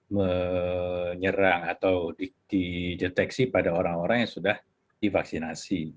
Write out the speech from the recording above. menyerang atau dideteksi pada orang orang yang sudah divaksinasi